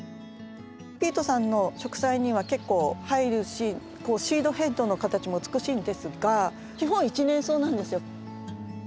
ピートさんの植栽には結構入るしシードヘッドの形も美しいんですが基本一年草なんですよ。